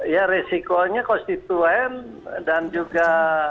ya resikonya konstituen dan juga